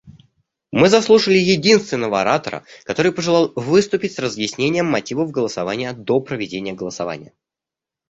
Мы заслушали единственного оратора, который пожелал выступить с разъяснением мотивов голосования до проведения голосования.